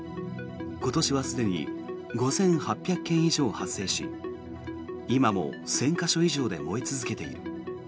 今年はすでに５８００件以上発生し今も１０００か所以上で燃え続けている。